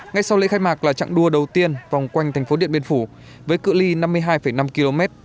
ngay sau lễ khai mạc là trạng đua đầu tiên vòng quanh thành phố điện biên phủ với cự li năm mươi hai năm km